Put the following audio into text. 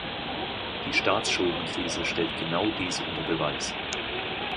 Die Staatsschuldenkrise stellt genau dies unter Beweis.